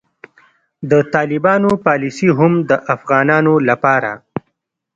د طالبانو پالیسي هم د افغانانو لپاره